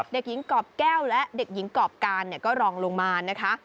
เด็กหญิงกรอบแก้วและเด็กหญิงกรอบการก็รองลงมานะคะ